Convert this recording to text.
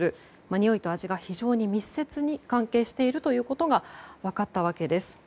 においと味が密接に関係しているということが分かったわけです。